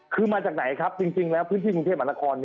คือมาจากไหนครับจริงแล้วพื้นที่กรุงเทพมหานคร